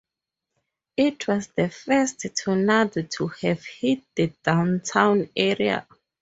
It was the first tornado to have hit the downtown area.